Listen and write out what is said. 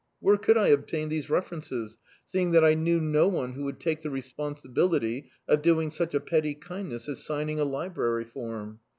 Where could I obtain these references, seeing that I knew no one who would take the responsibility of doing sudi a petty kindness as signing a library form?